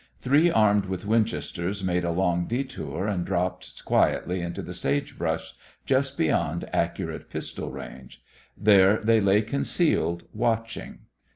Three armed with Winchesters made a long detour and dropped quietly into the sage brush just beyond accurate pistol range. There they lay concealed, watching.